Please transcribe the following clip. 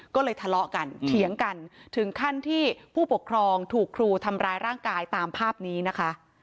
ก็เลยทะเลาะกันเถียงกันถึงขั้นที่ผู้ปกครองถูกครูทำร้ายร่างกายตามภาพนี้นะคะ